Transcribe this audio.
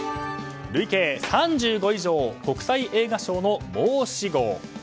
累計３５以上国際映画賞の申し子。